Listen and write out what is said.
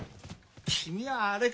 君はあれか！